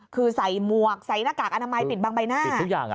คือใส่หมวกใส่หน้ากากอนามัยปิดบางใบหน้า